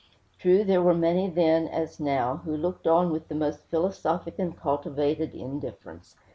True, there were many then, as now, who looked on with the most philosophic and cultivated indifference.